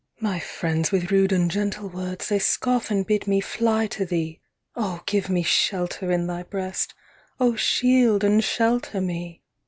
'My friends with rude ungentle words 25 They scoff and bid me fly to thee! O give me shelter in thy breast! O shield and shelter me!